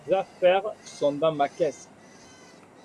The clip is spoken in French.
mes affaires sont dans ma caisse.